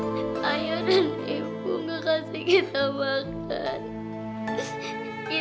beli kalau telah beri